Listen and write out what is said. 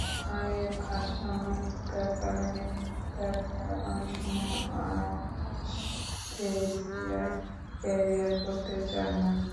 আয়ের ভারসাম্যহীনতার কারণে মেধাবীরা অনেক সময় অ্যানেসথেসিয়ায় ক্যারিয়ার করতে চান না।